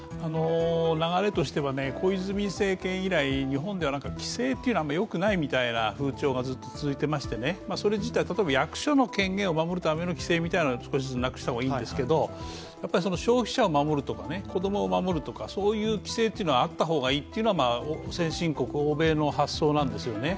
流れとしては、小泉政権以来、日本では規制というのはあんまりよくない風潮がずっと続いてましてそれ自体、例えば役所の権限を守るための規制はなくした方がいいんですけど、消費者を守るとか子供を守るとか、そういう規制というのはあった方がいいというのは先進国、欧米の発想なんですよね。